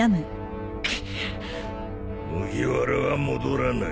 麦わらは戻らない。